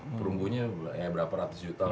perumbunya berapa ratus jutaan